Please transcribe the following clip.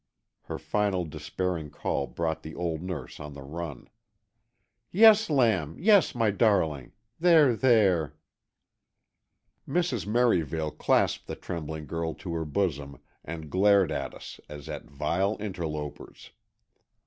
Her final despairing call brought the old nurse on the run. "Yes, lamb, yes, my darling,—there, there——" Mrs. Merivale clasped the trembling girl to her bosom and glared at us as at vile interlopers.